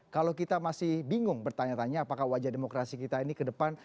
kalau kita masih bingung bertanya tanya apakah wajah demokrasi kita ini ke depan